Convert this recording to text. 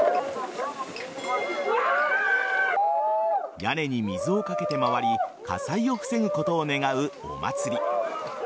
屋根に水をかけて回り火災を防ぐことを願うお祭り。